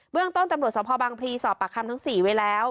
เรื่องต้นตำรวจสภบางพลีสอบปากคำทั้ง๔ไว้แล้ว